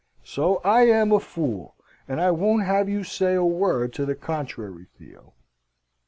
So I am a fool, and I won't have you say a word to the contrary, Theo!"